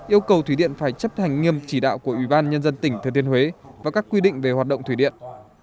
yêu cầu thủy điện phải chấp hành nghiêm chỉ đạo của ubnd tỉnh thừa thiên huế và các quy định về hoạt động thủy điện